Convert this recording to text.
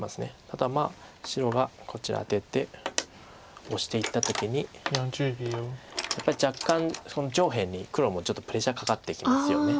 ただ白がこちら出てオシていった時にやっぱり若干上辺に黒もちょっとプレッシャーかかってきますよね。